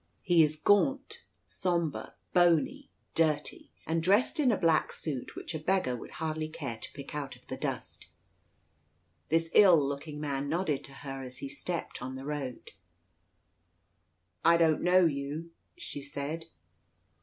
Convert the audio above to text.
He is gaunt, sombre, bony, dirty, and dressed in a black suit which a beggar would hardly care to pick out of the dust. This ill looking man nodded to her as he stepped on the road. "I don't know you," she said.